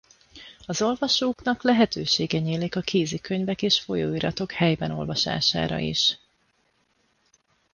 Az olvasóknak lehetősége nyílik a kézikönyvek és folyóiratok helyben olvasására is.